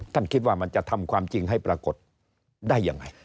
คิดว่ามันจะทำความจริงให้ปรากฏได้ยังไง